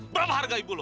berapa harga ibu lo